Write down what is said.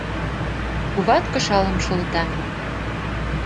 Куват кышалым шолта.